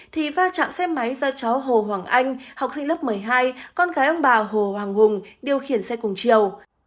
thì va chạm xe máy do cháu hồ hoàng anh học sinh lớp một mươi hai con gái ông bà hồ hoàng hùng điều khiển xe cùng chiều